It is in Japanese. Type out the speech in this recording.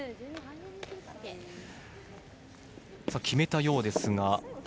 決めたようですが。